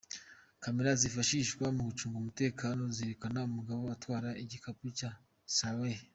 Camera zifashishwa mu gucunga umutekano zerekana umugabo atwara igikapu cya Swaleh.